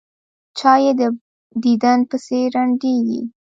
چا یې دیدن پسې ړندېږي.